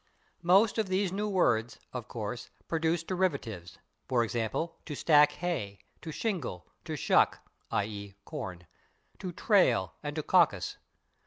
Most of these new words, of course, produced derivatives, for example, /to stack hay/, /to shingle/, /to shuck/ (/i. e./, corn), /to trail/ and /to caucus